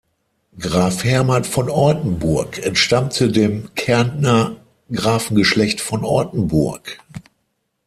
Graf Hermann von Ortenburg entstammte dem Kärntner Grafengeschlecht von Ortenburg.